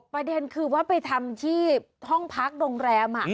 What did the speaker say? ประเด็นคือว่าไปทำที่ห้องพักโรงแรม